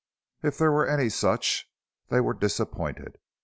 If there were any such they were disappointed.